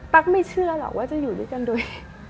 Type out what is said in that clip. ไม่เชื่อหรอกว่าจะอยู่ด้วยกันโดย